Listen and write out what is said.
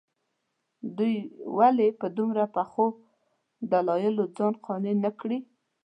دوی ولې په دومره پخو دلایلو ځان قانع نه کړي.